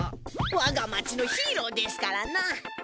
わが町のヒーローですからな。